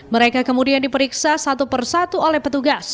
mereka kemudian diperiksa satu persatu oleh petugas